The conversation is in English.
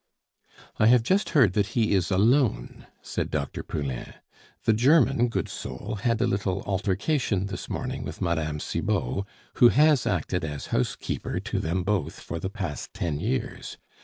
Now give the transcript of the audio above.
"I have just heard that he is alone," said Dr. Poulain. "The German, good soul, had a little altercation this morning with Mme. Cibot, who has acted as housekeeper to them both for the past ten years.